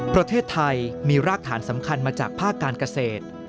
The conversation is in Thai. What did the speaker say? ประเทศไทยมีรากฐานสำคัญมาจากภาคการเกษตร